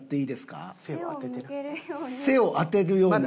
背を当てるように。